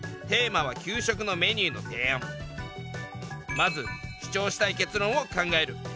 まず主張したい結論を考える。